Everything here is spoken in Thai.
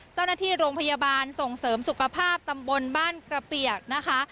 เจ้าหน้าที่โรงพยาบาลส่งเสริมสุขภาพตำบลบ้านกระเปียกนะคะ